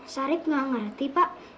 sarip gak ngerti pak